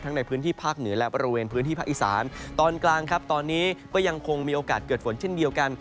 ในพื้นที่ภาคเหนือและบริเวณพื้นที่ภาคอีสานตอนกลางครับตอนนี้ก็ยังคงมีโอกาสเกิดฝนเช่นเดียวกัน